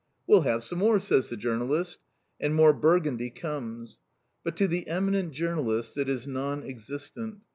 "We'll have some more!" says the journalist. And more Burgundy comes! But to the eminent journalist it is non existent.